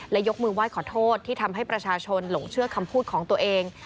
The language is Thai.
และยกมือไหว้ขอโทษที่ทำให้ประชาชนหลงเชื่อคำพูดของตัวเอง